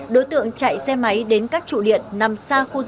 đối tượng chạy xe máy đến các trụ điện nằm xa khu dân cư